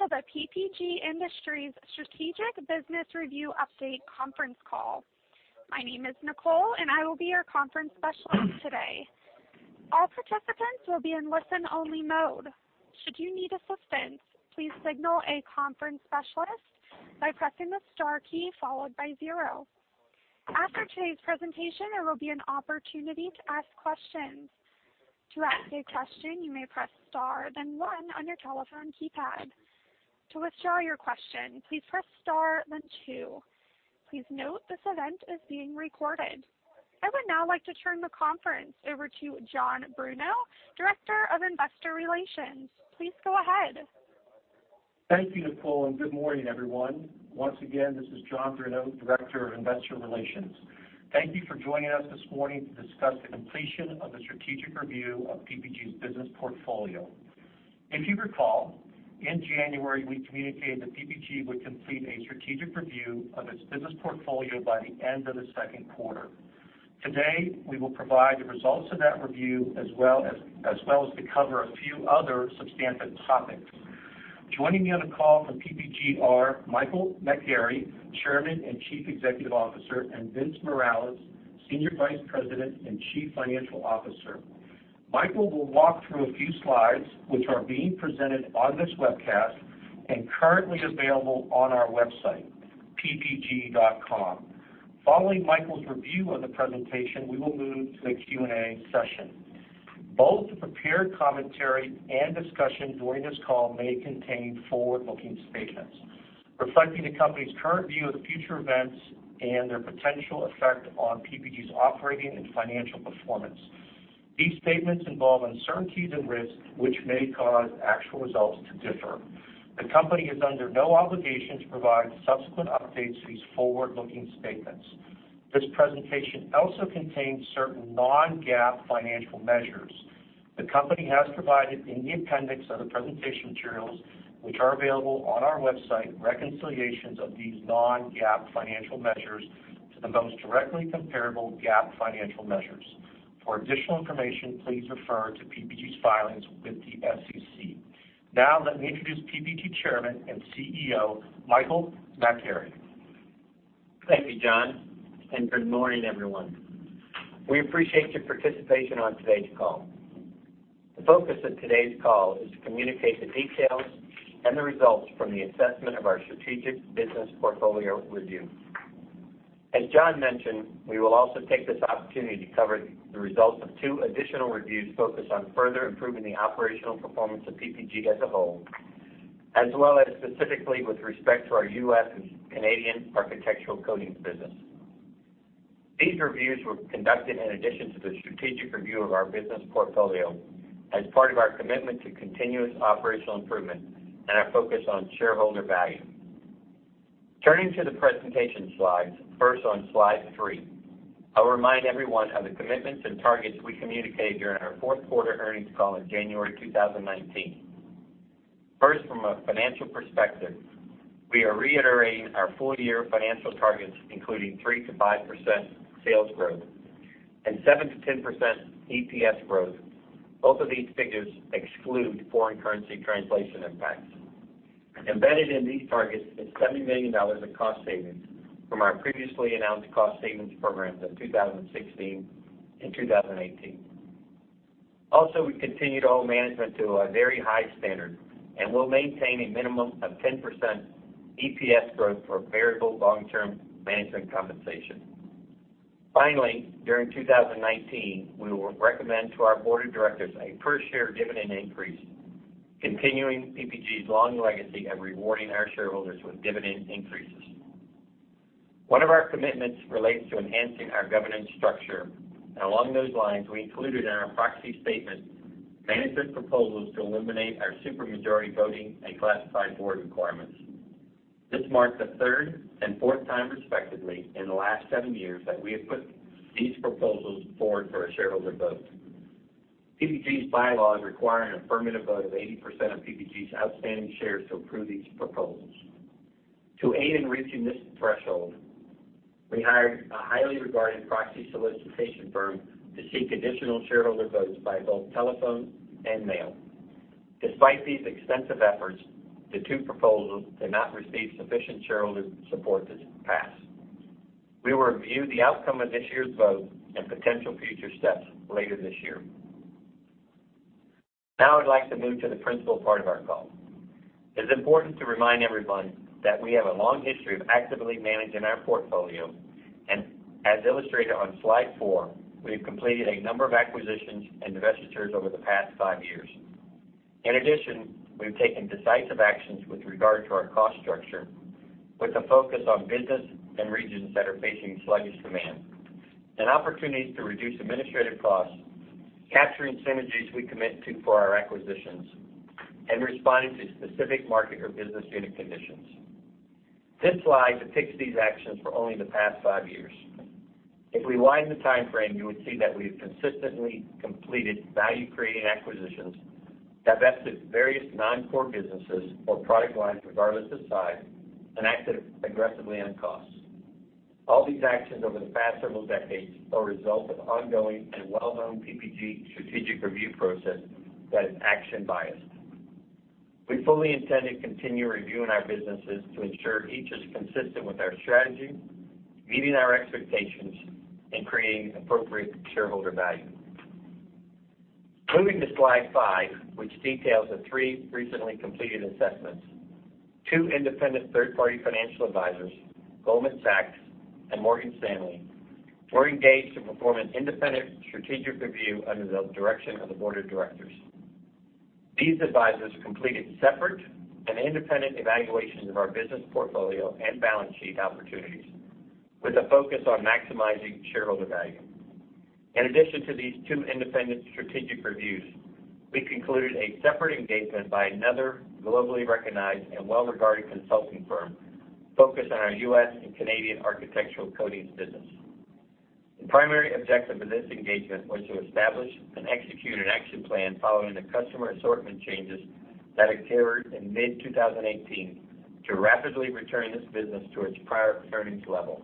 Welcome to the PPG Industries Strategic Business Review Update conference call. My name is Nicole, and I will be your conference specialist today. All participants will be in listen-only mode. Should you need assistance, please signal a conference specialist by pressing the star key followed by zero. After today's presentation, there will be an opportunity to ask questions. To ask a question, you may press star, then one on your telephone keypad. To withdraw your question, please press star, then two. Please note this event is being recorded. I would now like to turn the conference over to John Bruno, Director of Investor Relations. Please go ahead. Thank you, Nicole, and good morning, everyone. Once again, this is John Bruno, Director of Investor Relations. Thank you for joining us this morning to discuss the completion of the strategic review of PPG's business portfolio. If you recall, in January, we communicated that PPG would complete a strategic review of its business portfolio by the end of the second quarter. Today, we will provide the results of that review, as well as to cover a few other substantive topics. Joining me on the call from PPG are Michael McGarry, Chairman and Chief Executive Officer, and Vince Morales, Senior Vice President and Chief Financial Officer. Michael will walk through a few slides, which are being presented on this webcast and currently available on our website, ppg.com. Following Michael's review of the presentation, we will move to the Q&A session. Both the prepared commentary and discussion during this call may contain forward-looking statements reflecting the company's current view of the future events and their potential effect on PPG's operating and financial performance. These statements involve uncertainties and risks, which may cause actual results to differ. The company is under no obligation to provide subsequent updates to these forward-looking statements. This presentation also contains certain non-GAAP financial measures. The company has provided, in the appendix of the presentation materials, which are available on our website, reconciliations of these non-GAAP financial measures to the most directly comparable GAAP financial measures. For additional information, please refer to PPG's filings with the SEC. Now, let me introduce PPG Chairman and CEO, Michael McGarry. Thank you, John, and good morning, everyone. We appreciate your participation on today's call. The focus of today's call is to communicate the details and the results from the assessment of our strategic business portfolio review. As John mentioned, we will also take this opportunity to cover the results of two additional reviews focused on further improving the operational performance of PPG as a whole, as well as specifically with respect to our U.S. and Canadian architectural coatings business. These reviews were conducted in addition to the strategic review of our business portfolio as part of our commitment to continuous operational improvement and our focus on shareholder value. Turning to the presentation slides. First, on slide three. I'll remind everyone of the commitments and targets we communicated during our fourth quarter earnings call in January 2019. From a financial perspective, we are reiterating our full-year financial targets, including 3%-5% sales growth and 7%-10% EPS growth. Both of these figures exclude foreign currency translation impacts. Embedded in these targets is $70 million of cost savings from our previously announced cost savings programs of 2016 and 2018. We've continued all management to a very high standard and will maintain a minimum of 10% EPS growth for variable long-term management compensation. During 2019, we will recommend to our board of directors a per-share dividend increase, continuing PPG's long legacy of rewarding our shareholders with dividend increases. One of our commitments relates to enhancing our governance structure. Along those lines, we included in our proxy statement management proposals to eliminate our supermajority voting and classified board requirements. This marks the third and fourth time, respectively, in the last seven years that we have put these proposals forward for a shareholder vote. PPG's bylaws require an affirmative vote of 80% of PPG's outstanding shares to approve these proposals. To aid in reaching this threshold, we hired a highly regarded proxy solicitation firm to seek additional shareholder votes by both telephone and mail. Despite these extensive efforts, the two proposals did not receive sufficient shareholder support to pass. We will review the outcome of this year's vote and potential future steps later this year. I'd like to move to the principal part of our call. It's important to remind everyone that we have a long history of actively managing our portfolio, and as illustrated on slide four, we've completed a number of acquisitions and divestitures over the past five years. We've taken decisive actions with regard to our cost structure with a focus on business and regions that are facing sluggish demand, and opportunities to reduce administrative costs, capturing synergies we commit to for our acquisitions, and responding to specific market or business unit conditions. This slide depicts these actions for only the past five years. If we widen the timeframe, you would see that we've consistently completed value-creating acquisitions, divested various non-core businesses or product lines regardless of size, and acted aggressively on costs. All these actions over the past several decades are a result of ongoing and well-known PPG strategic review process that is action-biased. We fully intend to continue reviewing our businesses to ensure each is consistent with our strategy, meeting our expectations, and creating appropriate shareholder value. Moving to slide five, which details the three recently completed assessments. Two independent third-party financial advisors, Goldman Sachs and Morgan Stanley, were engaged to perform an independent strategic review under the direction of the board of directors. These advisors completed separate and independent evaluations of our business portfolio and balance sheet opportunities with a focus on maximizing shareholder value. To these two independent strategic reviews, we concluded a separate engagement by another globally recognized and well-regarded consulting firm focused on our U.S. and Canadian architectural coatings business. The primary objective of this engagement was to establish and execute an action plan following the customer assortment changes that occurred in mid-2018 to rapidly return this business to its prior earnings level.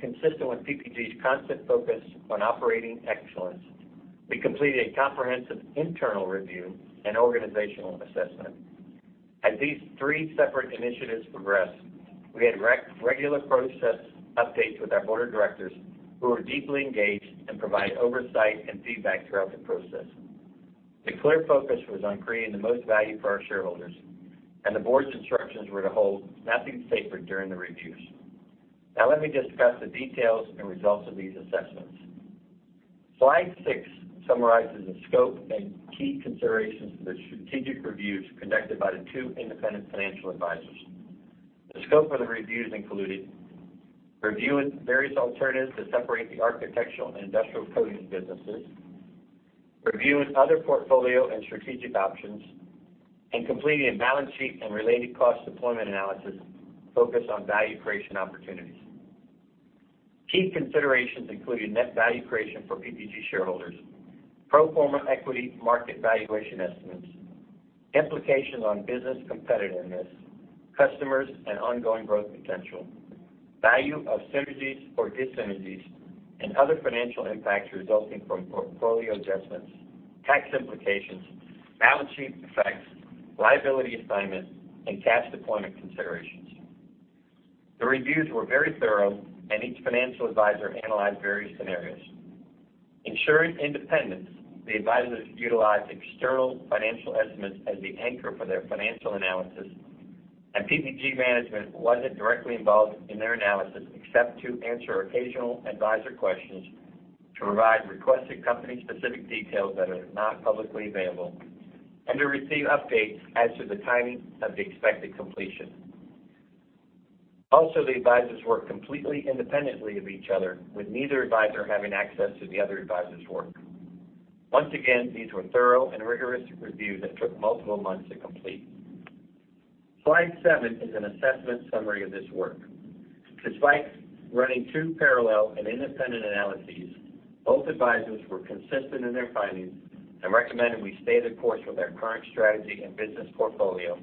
Consistent with PPG's constant focus on operating excellence, we completed a comprehensive internal review and organizational assessment. As these three separate initiatives progressed, we had regular process updates with our board of directors, who were deeply engaged and provided oversight and feedback throughout the process. The clear focus was on creating the most value for our shareholders, and the board's instructions were to hold nothing sacred during the reviews. Now let me discuss the details and results of these assessments. Slide six summarizes the scope and key considerations for the strategic reviews conducted by the two independent financial advisors. The scope of the reviews included reviewing various alternatives to separate the Architectural Coatings and Industrial Coatings businesses, reviewing other portfolio and strategic options, and completing a balance sheet and related cost deployment analysis focused on value creation opportunities. Key considerations including net value creation for PPG shareholders, pro forma equity market valuation estimates, implications on business competitiveness, customers, and ongoing growth potential, value of synergies or dis-synergies, and other financial impacts resulting from portfolio adjustments, tax implications, balance sheet effects, liability assignments, and cash deployment considerations. The reviews were very thorough, and each financial advisor analyzed various scenarios. Ensuring independence, the advisors utilized external financial estimates as the anchor for their financial analysis, and PPG management wasn't directly involved in their analysis, except to answer occasional advisor questions, to provide requested company specific details that are not publicly available, and to receive updates as to the timing of the expected completion. Also, the advisors worked completely independently of each other, with neither advisor having access to the other advisor's work. Once again, these were thorough and rigorous reviews that took multiple months to complete. Slide seven is an assessment summary of this work. Despite running two parallel and independent analyses, both advisors were consistent in their findings and recommended we stay the course with our current strategy and business portfolio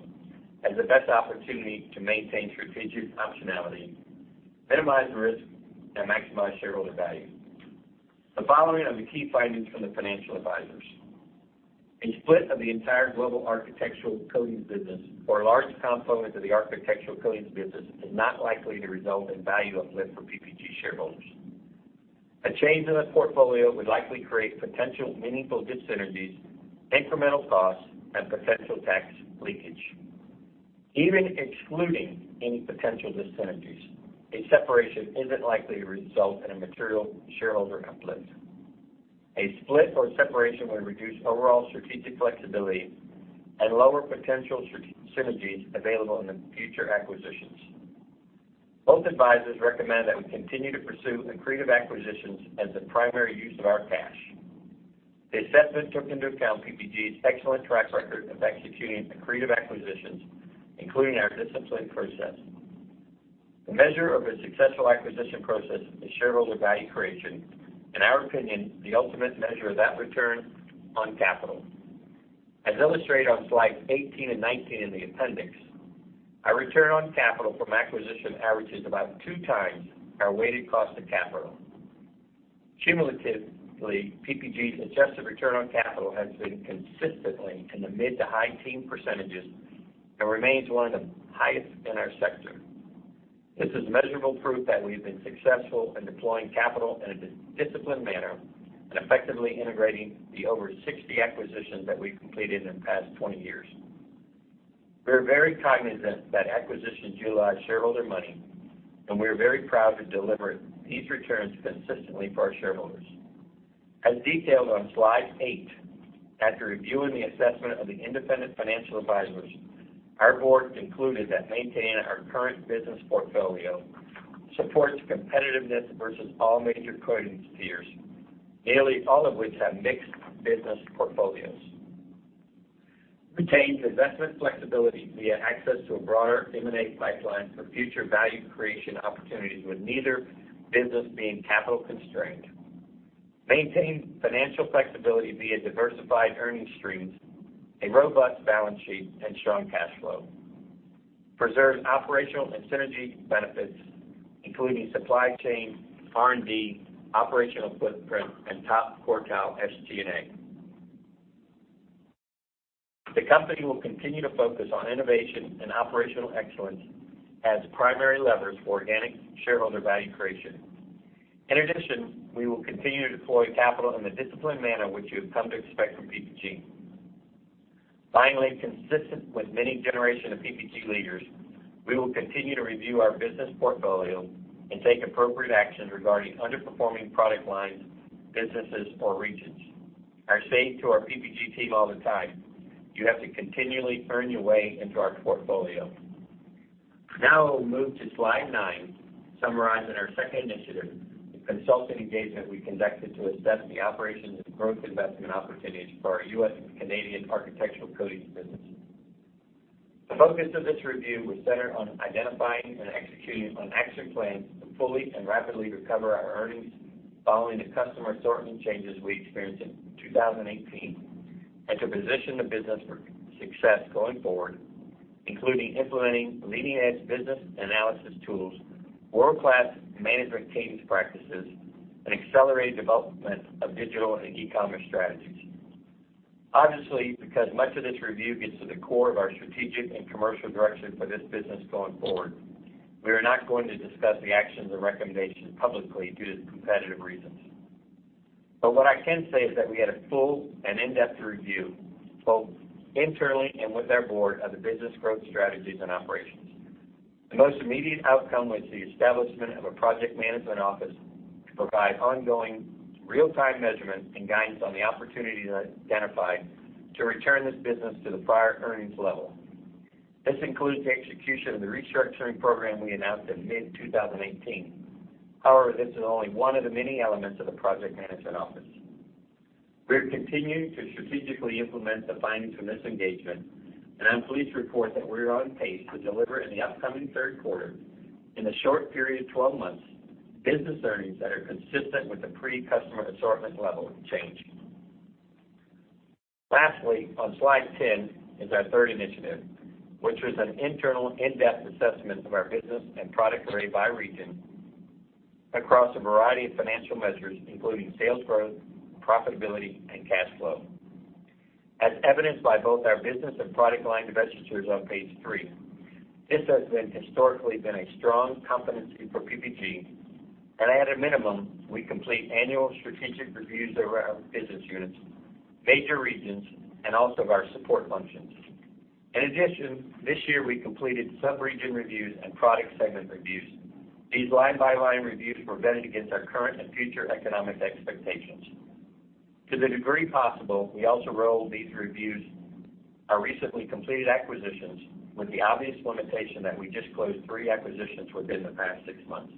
as the best opportunity to maintain strategic optionality, minimize risk, and maximize shareholder value. The following are the key findings from the financial advisors. A split of the entire global Architectural Coatings business or a large component of the Architectural Coatings business is not likely to result in value uplift for PPG shareholders. A change in the portfolio would likely create potential meaningful dis-synergies, incremental costs, and potential tax leakage. Even excluding any potential dis-synergies, a separation isn't likely to result in a material shareholder uplift. A split or separation would reduce overall strategic flexibility and lower potential strategic synergies available in the future acquisitions. Both advisors recommend that we continue to pursue accretive acquisitions as the primary use of our cash. The assessment took into account PPG's excellent track record of executing accretive acquisitions, including our disciplined process. The measure of a successful acquisition process is shareholder value creation, in our opinion, the ultimate measure of that return on capital. As illustrated on slides 18 and 19 in the appendix, our return on capital from acquisition averages about 2 times our weighted cost of capital. Cumulatively, PPG's adjusted return on capital has been consistently in the mid-to-high teen % and remains one of the highest in our sector. This is measurable proof that we've been successful in deploying capital in a disciplined manner and effectively integrating the over 60 acquisitions that we've completed in the past 20 years. We're very cognizant that acquisitions utilize shareholder money, and we're very proud to deliver these returns consistently for our shareholders. As detailed on slide eight, after reviewing the assessment of the independent financial advisors, our board concluded that maintaining our current business portfolio supports competitiveness versus all major coatings peers, nearly all of which have mixed business portfolios. Retains investment flexibility via access to a broader M&A pipeline for future value creation opportunities with neither business being capital constrained. Maintain financial flexibility via diversified earning streams, a robust balance sheet, and strong cash flow. Preserve operational and synergy benefits, including supply chain, R&D, operational footprint, and top quartile SG&A. The company will continue to focus on innovation and operational excellence as primary levers for organic shareholder value creation. We will continue to deploy capital in the disciplined manner which you have come to expect from PPG. Consistent with many generation of PPG leaders, we will continue to review our business portfolio and take appropriate actions regarding underperforming product lines, businesses, or regions. I say to our PPG team all the time, "You have to continually earn your way into our portfolio." We'll move to slide nine, summarizing our second initiative, the consulting engagement we conducted to assess the operations and growth investment opportunities for our U.S. and Canadian architectural coatings business. The focus of this review was centered on identifying and executing on action plans to fully and rapidly recover our earnings following the customer assortment changes we experienced in 2018, and to position the business for success going forward, including implementing leading-edge business analysis tools, world-class management teams practices, and accelerated development of digital and e-commerce strategies. Because much of this review gets to the core of our strategic and commercial direction for this business going forward, we are not going to discuss the actions and recommendations publicly due to competitive reasons. What I can say is that we had a full and in-depth review, both internally and with our board, of the business growth strategies and operations. The most immediate outcome was the establishment of a project management office to provide ongoing real-time measurements and guidance on the opportunities identified to return this business to the prior earnings level. This includes the execution of the restructuring program we announced in mid-2018. This is only one of the many elements of the project management office. We have continued to strategically implement the findings from this engagement, and I'm pleased to report that we are on pace to deliver in the upcoming third quarter, in the short period of 12 months, business earnings that are consistent with the pre-customer assortment level change. On slide 10, is our third initiative, which was an internal in-depth assessment of our business and product array by region across a variety of financial measures, including sales growth, profitability, and cash flow. As evidenced by both our business and product line divestitures on page three, this has historically been a strong competency for PPG. At a minimum, we complete annual strategic reviews of our business units, major regions, and also of our support functions. This year we completed sub-region reviews and product segment reviews. These line-by-line reviews were vetted against our current and future economic expectations. To the degree possible, we also rolled these reviews, our recently completed acquisitions, with the obvious limitation that we just closed three acquisitions within the past six months.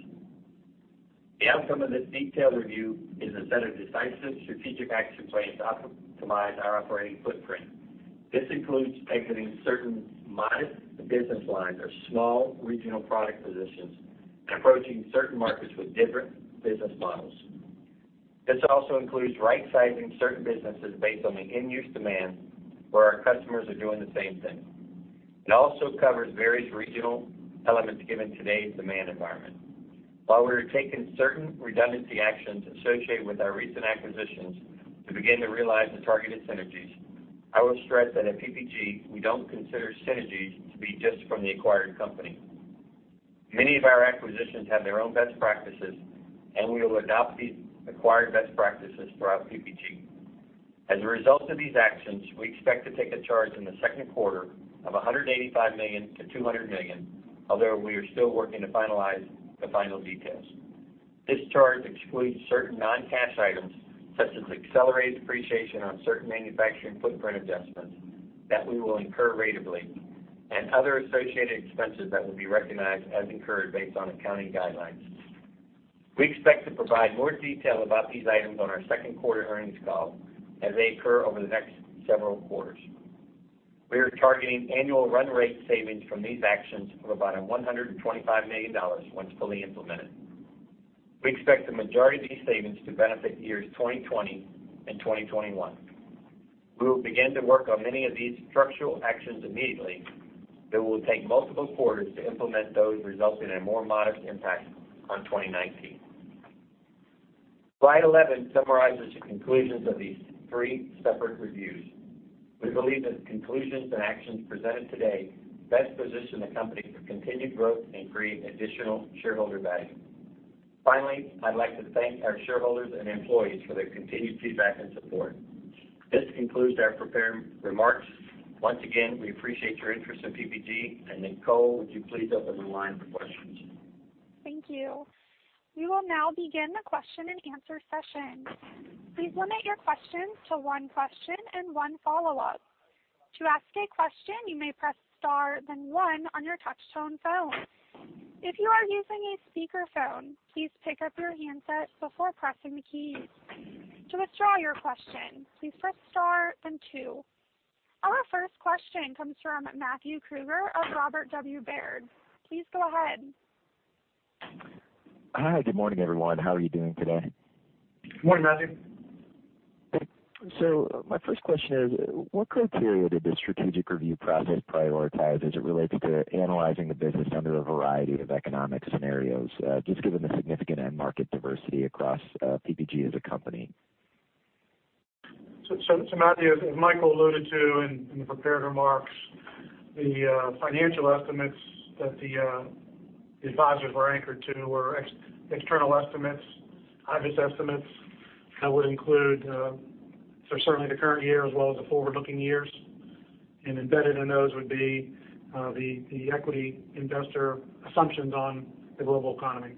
The outcome of this detailed review is a set of decisive strategic action plans to optimize our operating footprint. This includes exiting certain modest business lines or small regional product positions, and approaching certain markets with different business models. This also includes right-sizing certain businesses based on the end-use demand, where our customers are doing the same thing. It also covers various regional elements given today's demand environment. While we are taking certain redundancy actions associated with our recent acquisitions to begin to realize the targeted synergies, I will stress that at PPG, we don't consider synergies to be just from the acquired company. Many of our acquisitions have their own best practices, we will adopt these acquired best practices throughout PPG. As a result of these actions, we expect to take a charge in the second quarter of $185 million-$200 million, although we are still working to finalize the final details. This charge excludes certain non-cash items, such as accelerated depreciation on certain manufacturing footprint adjustments that we will incur ratably, and other associated expenses that will be recognized as incurred based on accounting guidelines. We expect to provide more detail about these items on our second quarter earnings call as they occur over the next several quarters. We are targeting annual run rate savings from these actions of about $125 million once fully implemented. We expect the majority of these savings to benefit years 2020 and 2021. We will begin to work on many of these structural actions immediately, will take multiple quarters to implement those resulting in a more modest impact on 2019. Slide 11 summarizes the conclusions of these three separate reviews. Finally, I'd like to thank our shareholders and employees for their continued feedback and support. This concludes our prepared remarks. Once again, we appreciate your interest in PPG. Nicole, would you please open the line for questions? Thank you. We will now begin the question and answer session. Please limit your questions to one question and one follow-up. To ask a question, you may press star, then one on your touchtone phone. If you are using a speakerphone, please pick up your handset before pressing the keys. To withdraw your question, please press star then two. Our first question comes from Matthew Krueger of Robert W. Baird. Please go ahead. Hi. Good morning, everyone. How are you doing today? Good morning, Matthew. My first question is: What criteria did the strategic review process prioritize as it related to analyzing the business under a variety of economic scenarios, just given the significant end market diversity across PPG as a company? Matthew, as Michael alluded to in the prepared remarks, the financial estimates that the advisors were anchored to were external estimates, obvious estimates that would include certainly the current year as well as the forward-looking years, and embedded in those would be the equity investor assumptions on the global economy.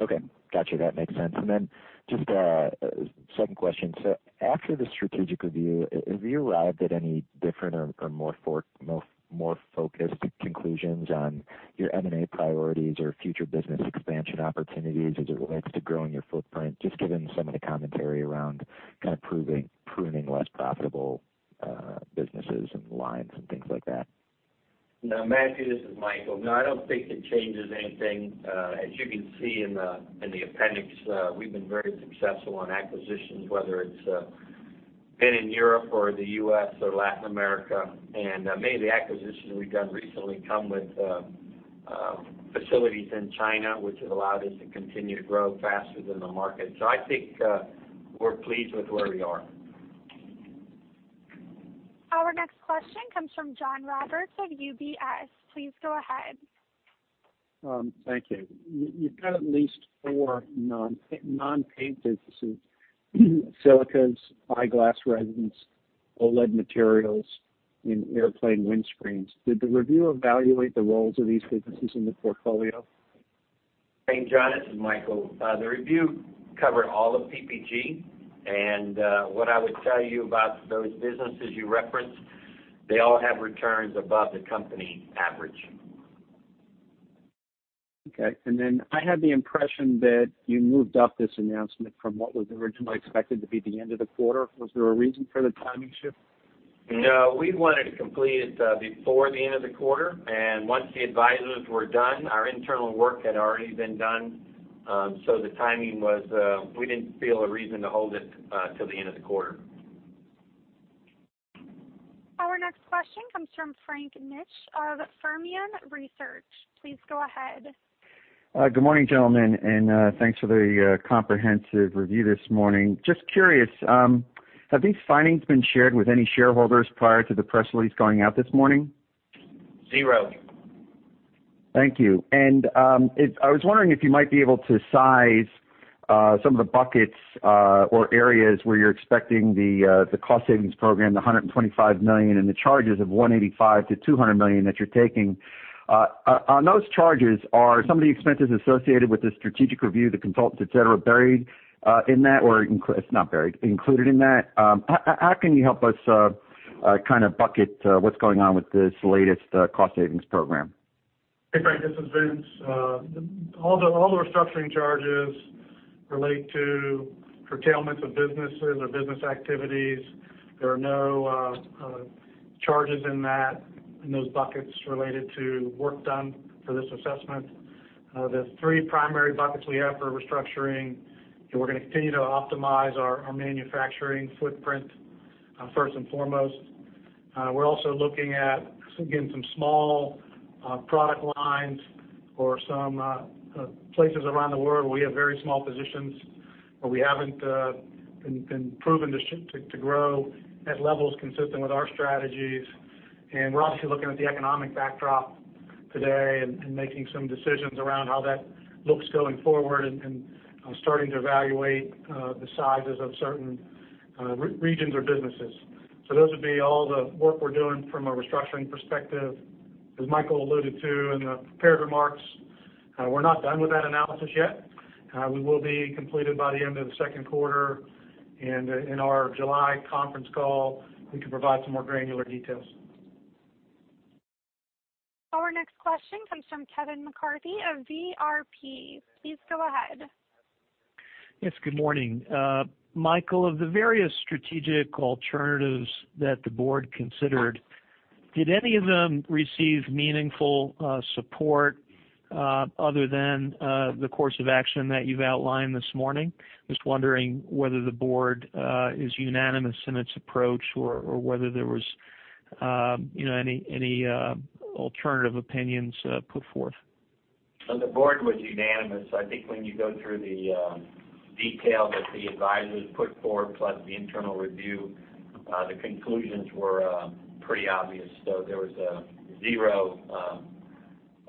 Okay. Got you. That makes sense. Just a second question. After the strategic review, have you arrived at any different or more focused conclusions on your M&A priorities or future business expansion opportunities as it relates to growing your footprint, just given some of the commentary around kind of pruning less profitable businesses and lines and things like that? No, Matthew, this is Michael. No, I don't think it changes anything. As you can see in the appendix, we've been very successful on acquisitions, whether it's been in Europe or the U.S. or Latin America. Many of the acquisitions we've done recently come with facilities in China, which has allowed us to continue to grow faster than the market. I think we're pleased with where we are. Our next question comes from John Roberts of UBS. Please go ahead. Thank you. You've got at least four non-paint businesses, Silicas, eyeglass resins, OLED materials, and airplane windscreens. Did the review evaluate the roles of these businesses in the portfolio? Thanks, John. This is Michael. The review covered all of PPG, and what I would tell you about those businesses you referenced, they all have returns above the company average. Okay. I had the impression that you moved up this announcement from what was originally expected to be the end of the quarter. Was there a reason for the timing shift? No. We wanted to complete it before the end of the quarter, and once the advisors were done, our internal work had already been done. The timing was, we didn't feel a reason to hold it till the end of the quarter. Our next question comes from Frank Mitsch of Fermium Research. Please go ahead. Good morning, gentlemen, thanks for the comprehensive review this morning. Just curious, have these findings been shared with any shareholders prior to the press release going out this morning? Zero. Thank you. I was wondering if you might be able to size some of the buckets, or areas where you're expecting the cost savings program, the $125 million, and the charges of $185 million-$200 million that you're taking. On those charges, are some of the expenses associated with the strategic review, the consultants, et cetera, buried in that, or it is not buried, included in that? How can you help us kind of bucket what is going on with this latest cost savings program? Hey, Frank, this is Vince. All the restructuring charges relate to curtailments of businesses or business activities. There are no charges in those buckets related to work done for this assessment. The three primary buckets we have for restructuring, we are going to continue to optimize our manufacturing footprint, first and foremost. We are also looking at getting some small product lines or some places around the world where we have very small positions, where we have not been proven to grow at levels consistent with our strategies. We are obviously looking at the economic backdrop today and making some decisions around how that looks going forward and starting to evaluate the sizes of certain regions or businesses. Those would be all the work we are doing from a restructuring perspective. As Michael alluded to in the prepared remarks, we are not done with that analysis yet. We will be completed by the end of the second quarter, in our July conference call, we can provide some more granular details. Our next question comes from Kevin McCarthy of VRP. Please go ahead. Yes, good morning. Michael, of the various strategic alternatives that the board considered, did any of them receive meaningful support other than the course of action that you've outlined this morning? Just wondering whether the board is unanimous in its approach or whether there was any alternative opinions put forth. The board was unanimous. I think when you go through the detail that the advisors put forward, plus the internal review, the conclusions were pretty obvious. There was zero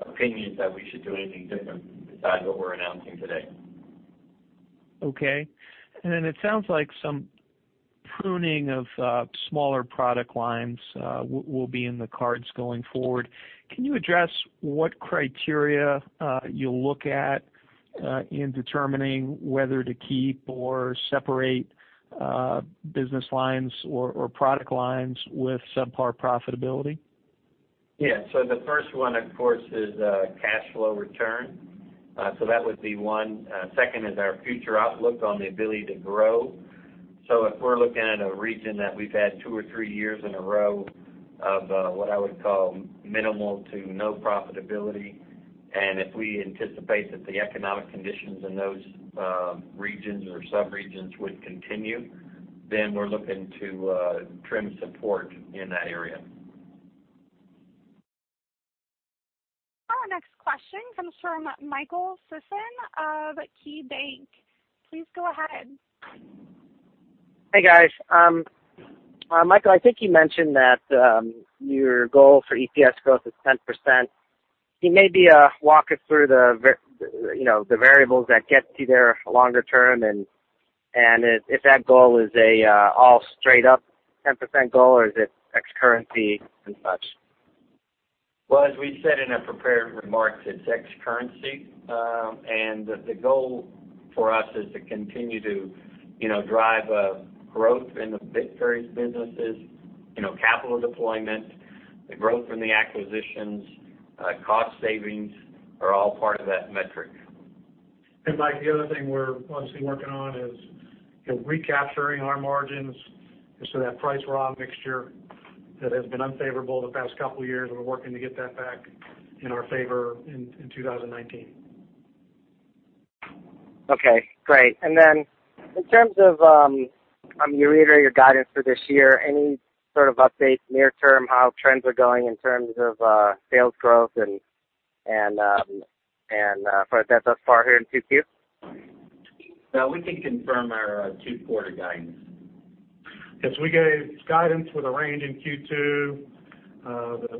opinions that we should do anything different besides what we're announcing today. Okay. It sounds like some pruning of smaller product lines will be in the cards going forward. Can you address what criteria you'll look at in determining whether to keep or separate business lines or product lines with subpar profitability? The first one, of course, is cash flow return. That would be one. Second is our future outlook on the ability to grow. If we're looking at a region that we've had two or three years in a row of what I would call minimal to no profitability, and if we anticipate that the economic conditions in those regions or sub-regions would continue, we're looking to trim support in that area. Our next question comes from Michael Sison of KeyBanc. Please go ahead. Hey, guys. Michael, I think you mentioned that your goal for EPS growth is 10%. Can you maybe walk us through the variables that get you there longer term, and if that goal is an all straight up 10% goal, or is it ex currency and such? Well, as we said in our prepared remarks, it's ex currency. The goal for us is to continue to drive growth in the various businesses. Capital deployment, the growth from the acquisitions, cost savings, are all part of that metric. Mike, the other thing we're obviously working on is recapturing our margins. That price raw mixture that has been unfavorable the past couple of years, we're working to get that back in our favor in 2019. Okay, great. You reiterate your guidance for this year, any sort of update near term, how trends are going in terms of sales growth and for that thus far here in Q2? No, we can confirm our two quarter guidance. Yes, we gave guidance with a range in Q2.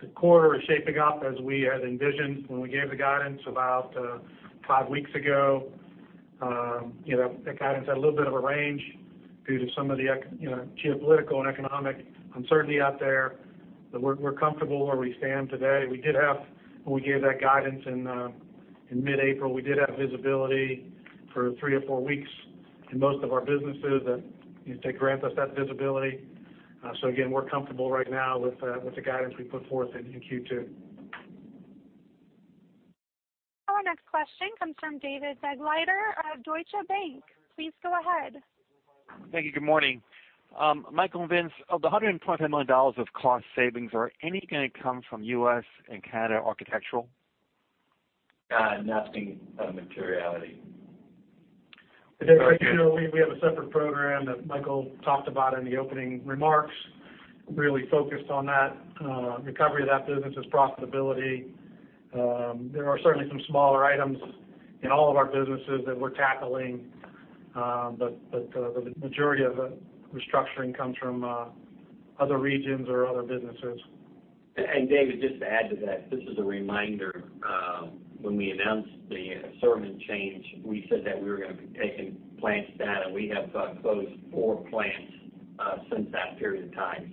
The quarter is shaping up as we had envisioned when we gave the guidance about five weeks ago. The guidance had a little bit of a range due to some of the geopolitical and economic uncertainty out there, but we're comfortable where we stand today. When we gave that guidance in mid-April, we did have visibility for three or four weeks in most of our businesses that grant us that visibility. Again, we're comfortable right now with the guidance we put forth in Q2. Our next question comes from David Begleiter of Deutsche Bank. Please go ahead. Thank you. Good morning. Michael and Vince, of the $120 million of cost savings, are any going to come from U.S. and Canada Architectural? Nothing of materiality. Very good. We have a separate program that Michael McGarry talked about in the opening remarks, really focused on that recovery of that business's profitability. There are certainly some smaller items in all of our businesses that we're tackling. The majority of the restructuring comes from other regions or other businesses. David, just to add to that, this is a reminder, when we announced the assortment change, we said that we were going to be taking plants down, and we have closed four plants since that period of time.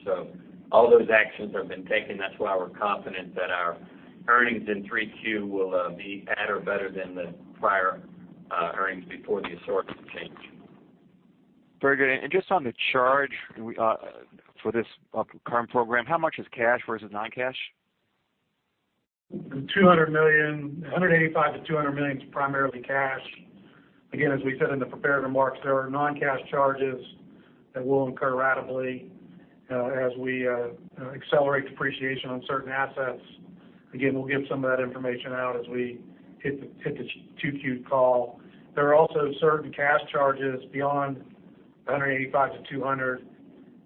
All those actions have been taken. That's why we're confident that our earnings in 3Q will be at or better than the prior earnings before the assortment change. Very good. Just on the charge for this current program, how much is cash versus non-cash? $185 million-$200 million is primarily cash. Again, as we said in the prepared remarks, there are non-cash charges that we'll incur ratably as we accelerate depreciation on certain assets. Again, we'll give some of that information out as we hit the 2Q call. There are also certain cash charges beyond the $185 million-$200 million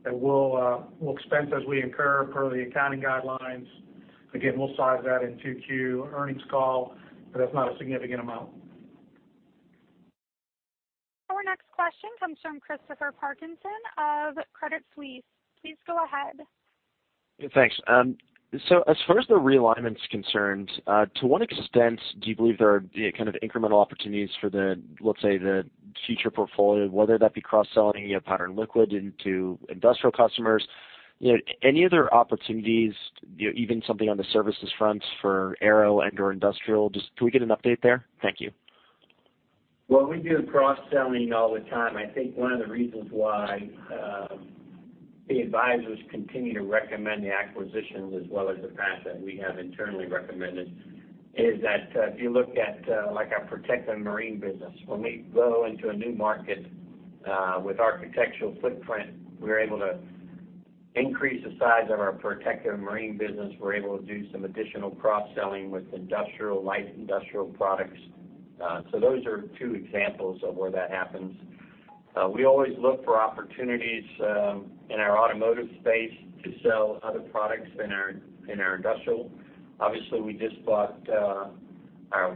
that we'll expense as we incur per the accounting guidelines. Again, we'll size that in 2Q earnings call, but that's not a significant amount. Our next question comes from Christopher Parkinson of Credit Suisse. Please go ahead. Thanks. As far as the realignment's concerned, to what extent do you believe there are kind of incremental opportunities for the, let's say, the future portfolio, whether that be cross-selling Powder and Liquid into industrial customers? Any other opportunities, even something on the services front for aero and/or industrial? Just can we get an update there? Thank you. Well, we do cross-selling all the time. I think one of the reasons why the advisors continue to recommend the acquisitions as well as the fact that we have internally recommended is that if you look at our Protective Marine business, when we go into a new market with architectural footprint, we're able to increase the size of our Protective Marine business. We're able to do some additional cross-selling with industrial, light industrial products. Those are two examples of where that happens. We always look for opportunities in our automotive space to sell other products in our industrial. Obviously, we just bought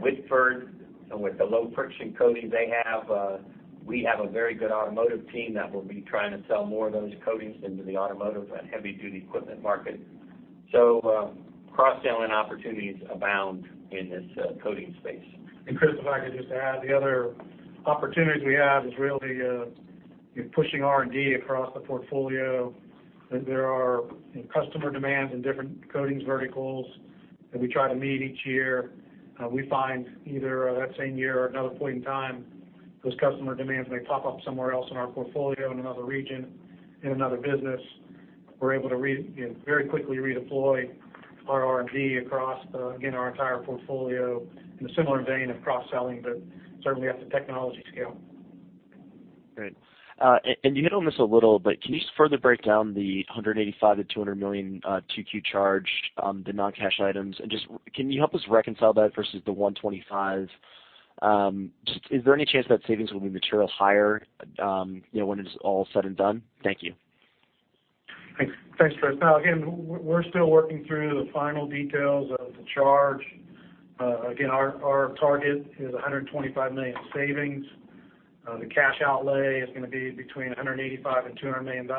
Whitford, and with the low friction coating they have, we have a very good automotive team that will be trying to sell more of those coatings into the automotive and heavy-duty equipment market. Cross-selling opportunities abound in this coating space. Chris, if I could just add, the other opportunities we have is really pushing R&D across the portfolio. There are customer demands in different coatings verticals that we try to meet each year. We find either that same year or another point in time, those customer demands, they pop up somewhere else in our portfolio, in another region, in another business. We're able to very quickly redeploy our R&D across, again, our entire portfolio in a similar vein of cross-selling, but certainly at the technology scale. Great. You hit on this a little, but can you further break down the $185 million-$200 million 2Q charge, the non-cash items, and just can you help us reconcile that versus the $125 million? Is there any chance that savings will be material higher when it's all said and done? Thank you. Thanks, Chris. We're still working through the final details of the charge. Again, our target is $125 million in savings. The cash outlay is going to be between $185 million and $200 million,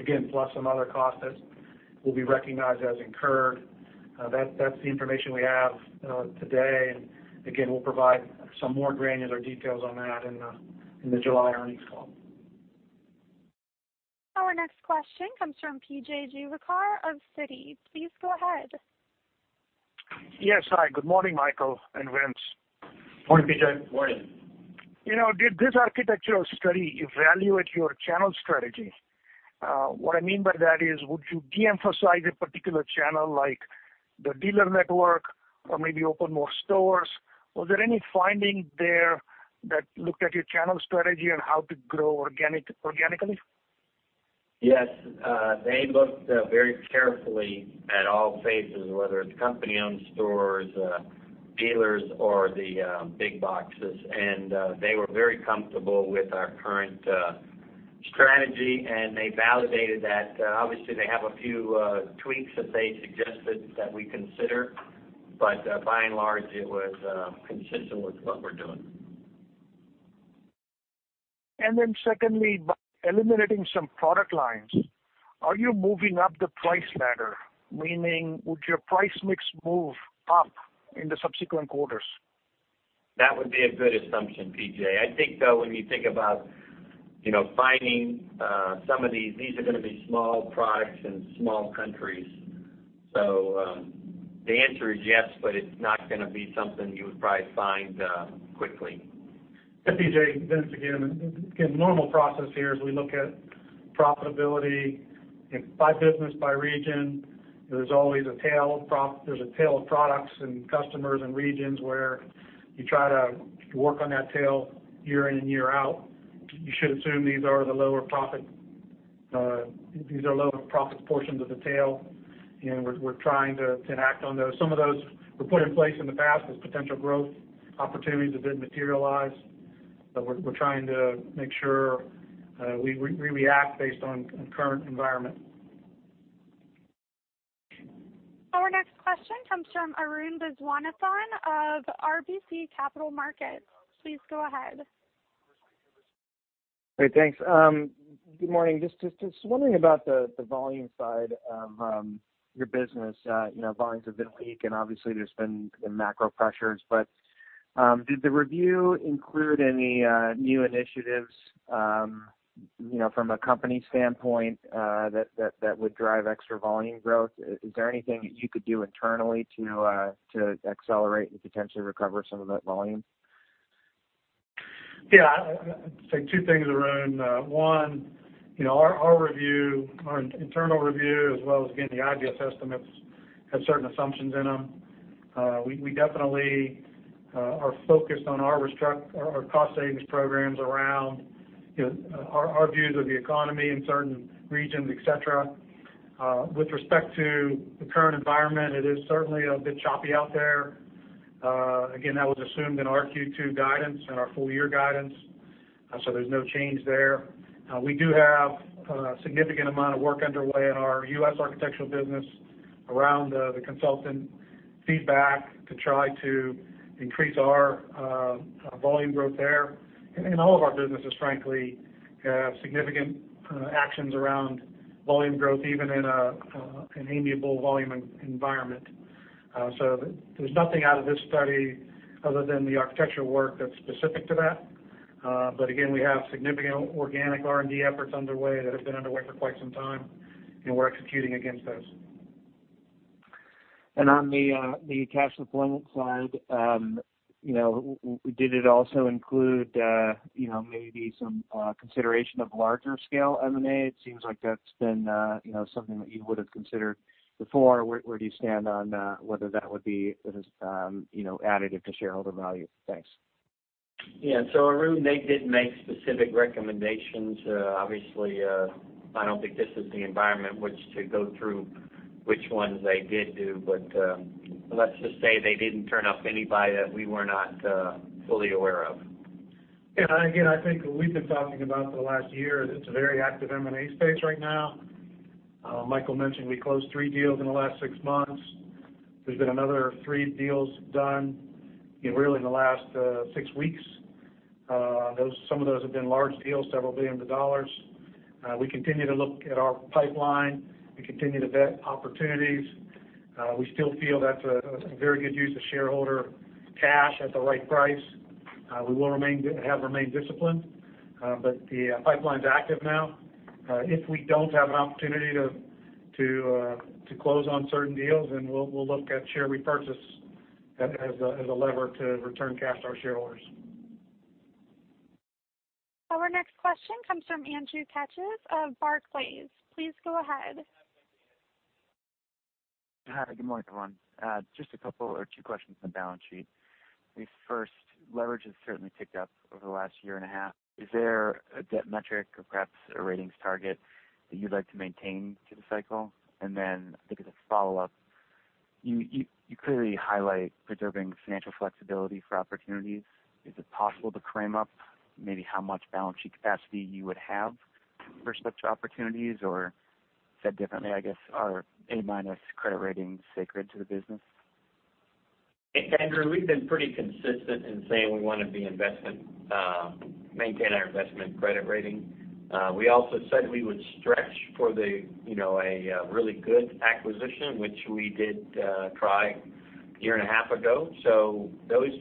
again, plus some other costs that will be recognized as incurred. That's the information we have today. Again, we'll provide some more granular details on that in the July earnings call. Our next question comes from P.J. Juvekar of Citi. Please go ahead. Yes. Hi, good morning, Michael and Vince. Morning, P.J. Morning. Did this architectural study evaluate your channel strategy? What I mean by that is, would you de-emphasize a particular channel like the dealer network or maybe open more stores? Was there any finding there that looked at your channel strategy and how to grow organically? Yes. They looked very carefully at all phases, whether it's company-owned stores, dealers, or the big boxes, and they were very comfortable with our current strategy, and they validated that. Obviously, they have a few tweaks that they suggested that we consider, but by and large, it was consistent with what we're doing. Secondly, by eliminating some product lines, are you moving up the price ladder? Meaning, would your price mix move up in the subsequent quarters? That would be a good assumption, P.J. I think, though, when you think about finding some of these are going to be small products in small countries. The answer is yes, but it's not going to be something you would probably find quickly. P.J., Vince again. Again, normal process here is we look at profitability by business, by region. There's always a tail of products and customers and regions where you try to work on that tail year in and year out. You should assume these are the lower profit portions of the tail, and we're trying to act on those. Some of those were put in place in the past as potential growth opportunities that didn't materialize. We're trying to make sure we react based on current environment. Our next question comes from Arun Viswanathan of RBC Capital Markets. Please go ahead. Great, thanks. Good morning. Just wondering about the volume side of your business. Volumes have been weak, and obviously, there's been the macro pressures. Did the review include any new initiatives from a company standpoint that would drive extra volume growth? Is there anything that you could do internally to accelerate and potentially recover some of that volume? Yeah. I'd say two things, Arun. One, our internal review, as well as, again, the IGS estimates, have certain assumptions in them. We definitely are focused on our cost savings programs around our views of the economy in certain regions, et cetera. With respect to the current environment, it is certainly a bit choppy out there. Again, that was assumed in our Q2 guidance and our full-year guidance, there's no change there. We do have a significant amount of work underway in our U.S. architectural business around the consultant feedback to try to increase our volume growth there. In all of our businesses, frankly, significant actions around volume growth, even in an amiable volume environment. There's nothing out of this study, other than the architectural work, that's specific to that. Again, we have significant organic R&D efforts underway that have been underway for quite some time, and we're executing against those. On the cash deployment side, did it also include maybe some consideration of larger scale M&A? It seems like that's been something that you would have considered before. Where do you stand on whether that would be additive to shareholder value? Thanks. Yeah. Arun, they did make specific recommendations. Obviously, I don't think this is the environment which to go through which ones they did do. Let's just say they didn't turn up anybody that we were not fully aware of. Yeah. Again, I think we've been talking about for the last year, that it's a very active M&A space right now. Michael McGarry mentioned we closed three deals in the last six months. There's been another three deals done really in the last six weeks. Some of those have been large deals, several billions of dollars. We continue to look at our pipeline. We continue to vet opportunities. We still feel that's a very good use of shareholder cash at the right price. We will have remained disciplined. The pipeline's active now. If we don't have an opportunity to close on certain deals, we'll look at share repurchase as a lever to return cash to our shareholders. Our next question comes from Andrew Keches of Barclays. Please go ahead. Hi. Good morning, everyone. Just a couple or two questions on the balance sheet. The first, leverage has certainly ticked up over the last year and a half. Is there a debt metric or perhaps a ratings target that you'd like to maintain through the cycle? I think as a follow-up, you clearly highlight preserving financial flexibility for opportunities. Is it possible to frame up maybe how much balance sheet capacity you would have for such opportunities? Said differently, I guess, are A-minus credit ratings sacred to the business? Andrew, we've been pretty consistent in saying we want to maintain our investment credit rating. We also said we would stretch for a really good acquisition, which we did try a year and a half ago. Those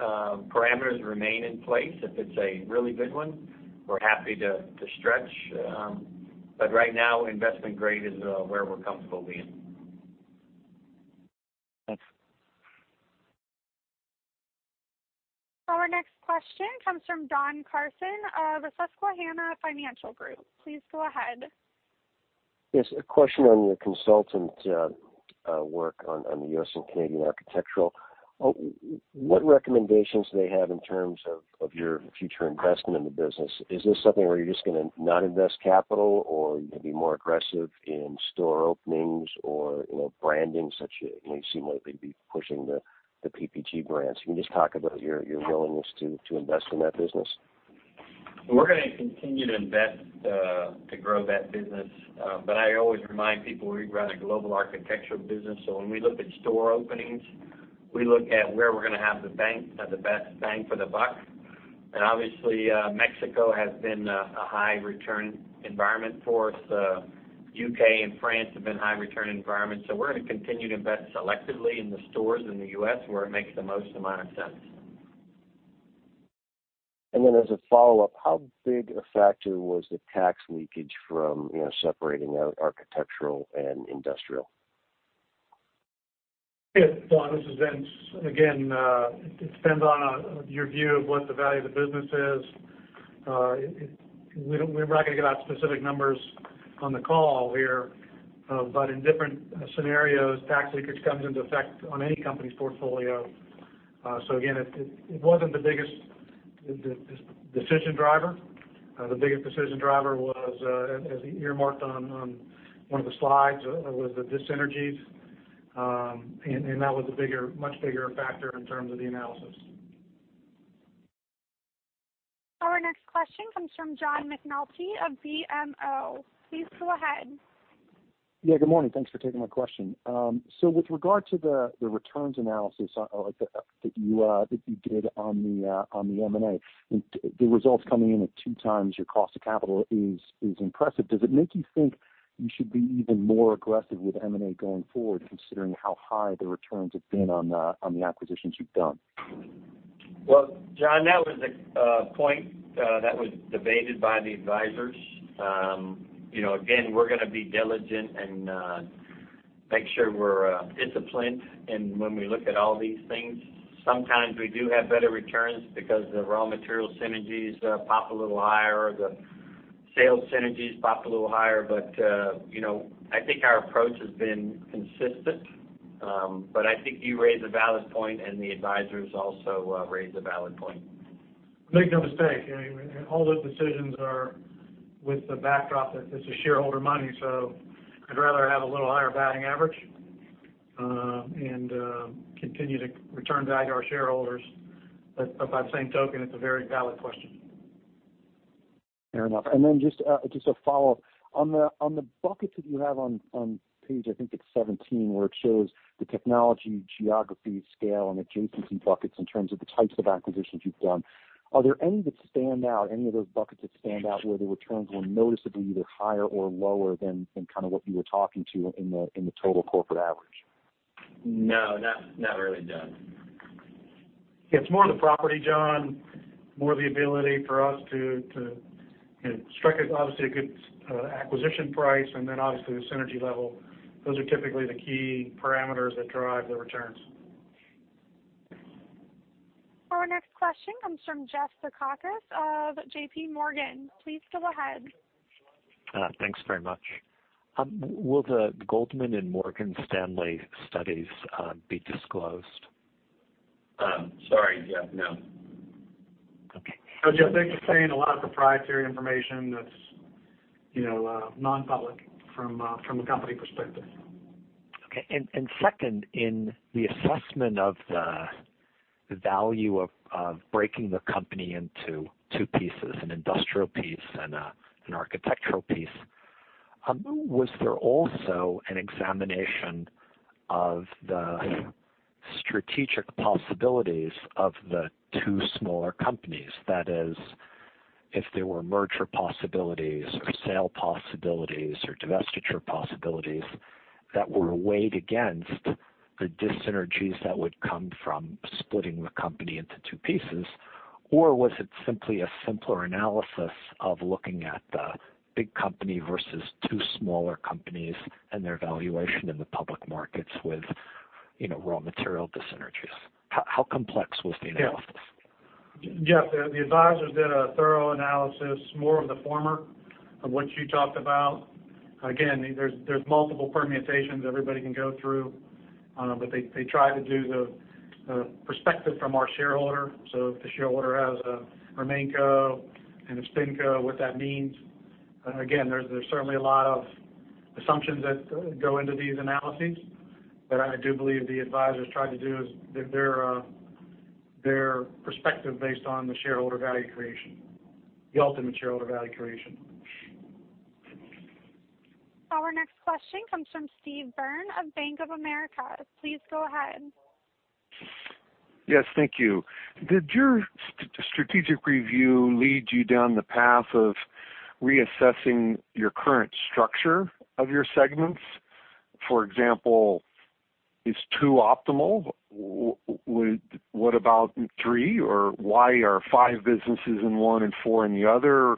parameters remain in place. If it's a really good one, we're happy to stretch. Right now, investment grade is where we're comfortable being. Thanks. Our next question comes from Don Carson of Susquehanna Financial Group. Please go ahead. A question on your consultant work on the U.S. and Canadian Architectural. What recommendations do they have in terms of your future investment in the business? Is this something where you're just going to not invest capital, or you're going to be more aggressive in store openings or branding, such as it may seem like they'd be pushing the PPG brands? Can you just talk about your willingness to invest in that business? We're going to continue to invest to grow that business. I always remind people, we run a global Architectural business, so when we look at store openings, we look at where we're going to have the best bang for the buck. Obviously, Mexico has been a high return environment for us. U.K. and France have been high return environments. We're going to continue to invest selectively in the stores in the U.S. where it makes the most amount of sense. As a follow-up, how big a factor was the tax leakage from separating out Architectural and Industrial? Don, this is Vince. It depends on your view of what the value of the business is. We're not going to give out specific numbers on the call here, in different scenarios, tax leakage comes into effect on any company's portfolio. It wasn't the biggest decision driver. The biggest decision driver was, as earmarked on one of the slides, was the dyssynergies. That was a much bigger factor in terms of the analysis. Our next question comes from John McNulty of BMO. Please go ahead. Good morning. Thanks for taking my question. With regard to the returns analysis that you did on the M&A, the results coming in at two times your cost of capital is impressive. Does it make you think you should be even more aggressive with M&A going forward, considering how high the returns have been on the acquisitions you've done? Well, John, that was a point that was debated by the advisors. We're going to be diligent and make sure we're disciplined. When we look at all these things, sometimes we do have better returns because the raw material synergies pop a little higher or the sales synergies pop a little higher. I think our approach has been consistent. I think you raise a valid point and the advisors also raised a valid point. Make no mistake, all those decisions are with the backdrop that it's shareholder money. I'd rather have a little higher batting average and continue to return value to our shareholders. By the same token, it's a very valid question. Fair enough. Then just a follow-up. On the buckets that you have on page, I think it's 17, where it shows the technology, geography, scale, and adjacency buckets in terms of the types of acquisitions you've done. Are there any that stand out, any of those buckets that stand out where the returns were noticeably either higher or lower than what you were talking to in the total corporate average? No, not really, no. It's more the property, John, more the ability for us to strike, obviously, a good acquisition price and then obviously the synergy level. Those are typically the key parameters that drive the returns. Our next question comes from Jeff Zekauskas of J.P. Morgan. Please go ahead. Thanks very much. Will the Goldman and Morgan Stanley studies be disclosed? Sorry, Jeff. No. Okay. Jeff, they contain a lot of proprietary information that's non-public from a company perspective. Okay. Second, in the assessment of the value of breaking the company into two pieces, an industrial piece and an architectural piece, was there also an examination of the strategic possibilities of the two smaller companies? That is, if there were merger possibilities or sale possibilities or divestiture possibilities that were weighed against the dyssynergies that would come from splitting the company into two pieces, or was it simply a simpler analysis of looking at the big company versus two smaller companies and their valuation in the public markets with raw material dyssynergies? How complex was the analysis? Yes. The advisors did a thorough analysis, more of the former of what you talked about. Again, there's multiple permutations everybody can go through, but they try to do the perspective from our shareholder. If the shareholder has a RemainCo and a SpinCo, what that means. Again, there's certainly a lot of assumptions that go into these analyses, but I do believe the advisors tried to do is their perspective based on the shareholder value creation, the ultimate shareholder value creation. Our next question comes from Steve Byrne of Bank of America. Please go ahead. Yes, thank you. Did your strategic review lead you down the path of reassessing your current structure of your segments? For example, is two optimal? What about three? Why are five businesses in one and four in the other?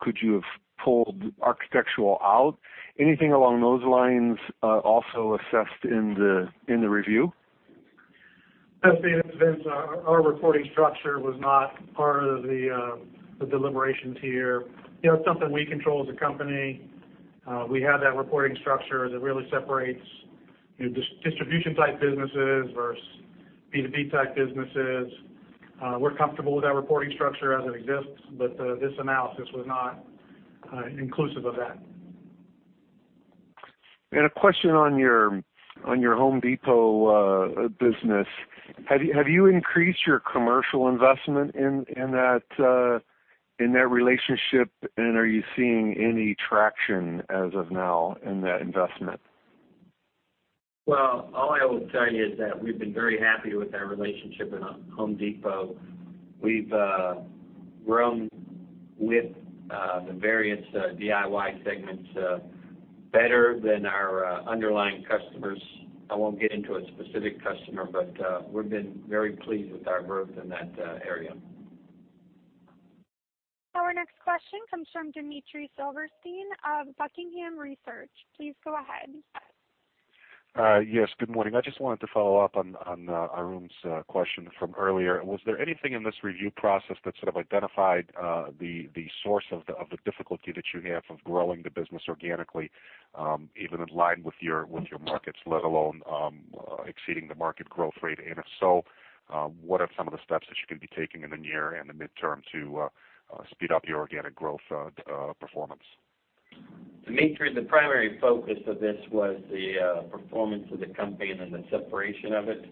Could you have pulled architectural out? Anything along those lines also assessed in the review? Yes, Steve. Our reporting structure was not part of the deliberations here. It's something we control as a company. We have that reporting structure that really separates distribution type businesses versus B2B type businesses. We're comfortable with that reporting structure as it exists. This analysis was not inclusive of that. A question on your Home Depot business. Have you increased your commercial investment in that relationship? Are you seeing any traction as of now in that investment? Well, all I will tell you is that we've been very happy with our relationship in Home Depot. We've grown with the various DIY segments better than our underlying customers. I won't get into a specific customer, we've been very pleased with our growth in that area. Our next question comes from Dmitry Silversteyn of Buckingham Research. Please go ahead. Yes, good morning. I just wanted to follow up on Arun's question from earlier. Was there anything in this review process that sort of identified the source of the difficulty that you have of growing the business organically, even in line with your markets, let alone exceeding the market growth rate? If so, what are some of the steps that you're going to be taking in the near and the midterm to speed up your organic growth performance? Dmitry, the primary focus of this was the performance of the company and then the separation of it.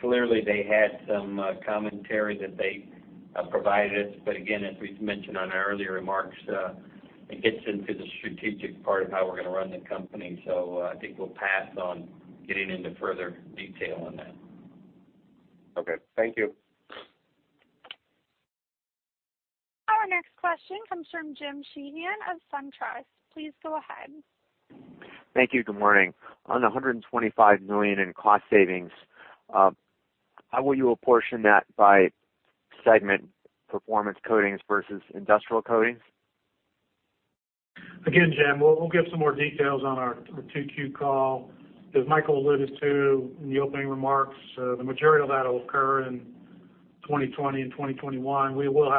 Clearly, they had some commentary that they provided us, again, as we've mentioned on our earlier remarks, it gets into the strategic part of how we're going to run the company. I think we'll pass on getting into further detail on that. Okay. Thank you. Our next question comes from Jim Sheehan of SunTrust. Please go ahead. Thank you. Good morning. On the $125 million in cost savings, how will you apportion that by segment, Performance Coatings versus Industrial Coatings? Jim, we'll give some more details on our 2Q call. As Michael alluded to in the opening remarks, the material of that will occur in 2020 and 2021. We will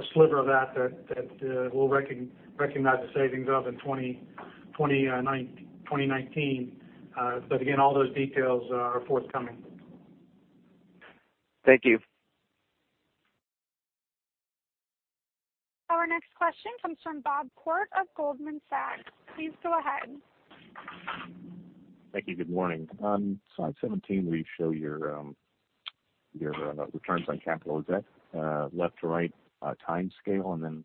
have a sliver of that that we'll recognize the savings of in 2019. Again, all those details are forthcoming. Thank you. Our next question comes from Bob Koort of Goldman Sachs. Please go ahead. Thank you. Good morning. On slide 17, where you show your returns on capital, is that a left to right timescale?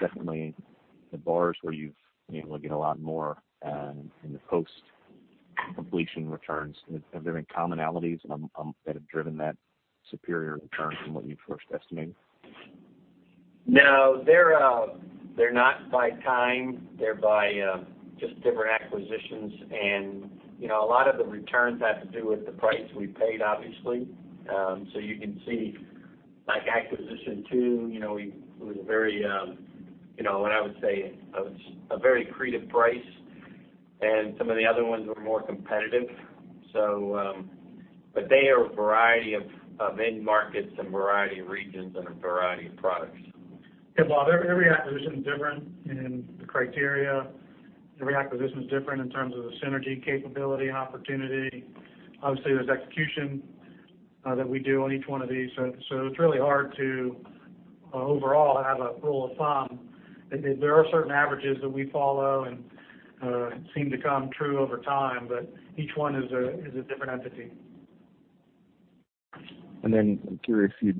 Secondly, the bars where you've been able to get a lot more in the post-completion returns, have there been commonalities that have driven that superior return from what you first estimated? No, they're not by time. They're by just different acquisitions. A lot of the returns have to do with the price we paid, obviously. You can see, like acquisition two, it was a very creative price, and some of the other ones were more competitive. They are a variety of end markets and variety of regions and a variety of products. Yeah, Bob, every acquisition is different in the criteria. Every acquisition is different in terms of the synergy capability and opportunity. Obviously, there's execution that we do on each one of these. It's really hard to overall have a rule of thumb. There are certain averages that we follow and seem to come true over time, each one is a different entity. I'm curious if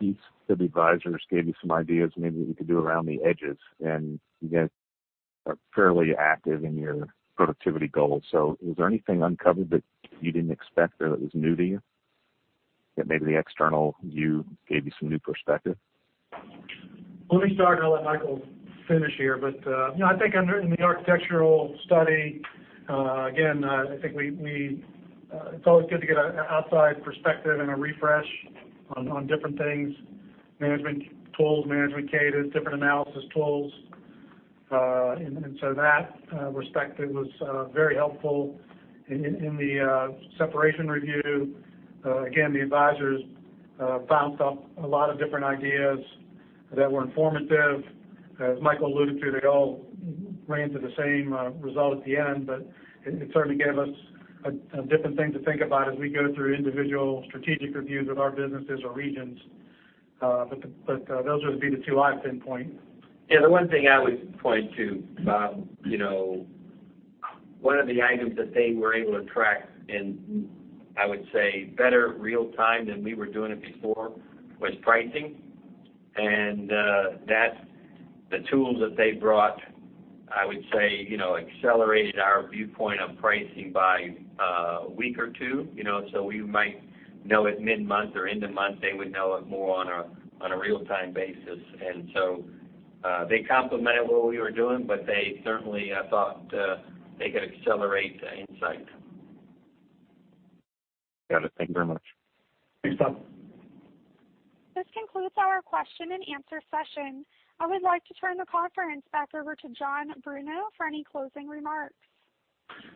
the advisors gave you some ideas maybe that you could do around the edges, and you are fairly active in your productivity goals. Was there anything uncovered that you didn't expect or that was new to you? Maybe the external view gave you some new perspective? Let me start, I'll let Michael finish here. I think in the Architectural study, again, I think it's always good to get an outside perspective and a refresh on different things, management tools, management cadence, different analysis tools. So that perspective was very helpful. In the separation review, again, the advisors bounced off a lot of different ideas that were informative. As Michael alluded to, they all ran to the same result at the end, but it certainly gave us a different thing to think about as we go through individual strategic reviews of our businesses or regions. Those would be the two I'd pinpoint. The one thing I would point to, Bob, one of the items that they were able to track in, I would say, better real time than we were doing it before, was pricing. The tools that they brought, I would say, accelerated our viewpoint on pricing by a week or two. We might know it mid-month or end of month. They would know it more on a real-time basis. They complemented what we were doing, but they certainly thought they could accelerate the insight. Got it. Thank you very much. Thanks, Bob. This concludes our question and answer session. I would like to turn the conference back over to John Bruno for any closing remarks.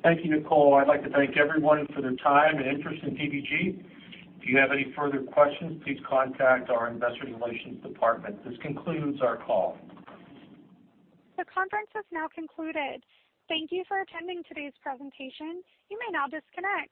Thank you, Nicole. I'd like to thank everyone for their time and interest in PPG. If you have any further questions, please contact our investor relations department. This concludes our call. The conference has now concluded. Thank you for attending today's presentation. You may now disconnect.